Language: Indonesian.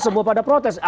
semua pada protes